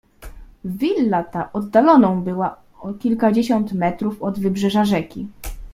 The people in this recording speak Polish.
"Willa ta oddaloną była o kilkadziesiąt metrów od wybrzeża rzeki."